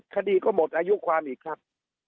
คดีก็หมดอายุความอีกครับ